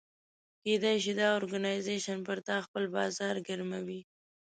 کېدای شي دا اورګنایزیش پر تا خپل بازار ګرموي.